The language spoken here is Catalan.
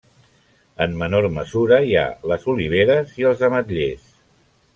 En menor mesura hi ha les oliveres i els ametllers.